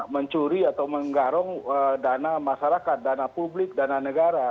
mencuri atau menggarong dana masyarakat dana publik dana negara